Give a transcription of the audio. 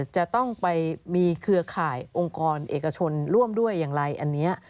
จะต้องไปมีเครือข่ายองค์กรเอกชนร่วมด้วยอย่างไรอันนี้